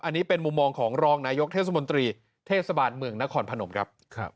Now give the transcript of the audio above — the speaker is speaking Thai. อันนี้เป็นมุมมองของรองนายกเทศมนตรีเทศบาลเมืองนครพนมครับ